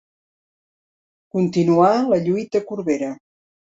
Continuà la lluita a Corbera.